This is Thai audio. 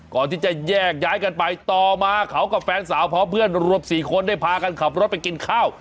ก่อนที่จะแยกย้ายกันไปต่อมาเขากับแฟนสาวพร้อมเพื่อนรวม๔คนได้พากันขับรถไปกินข้าว